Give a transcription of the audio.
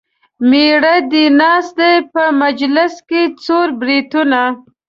مېړه دې ناست دی په مجلس کې څور بریتونه.